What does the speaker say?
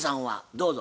どうぞ。